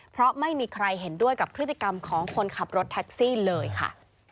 เพราะไม่มีใครเห็นด้วยกับพฤติกรรมของคนขับรถแท็กซี่เลยค่ะ